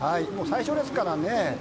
最初ですからね。